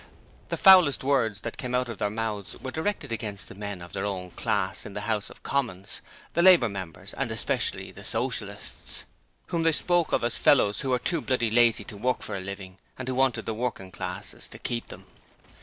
The foulest words that came out of their mouths were directed against the men of their own class in the House of Commons the Labour Members and especially the Socialists, whom they spoke of as fellows who were too bloody lazy to work for a living, and who wanted the working classes to keep them.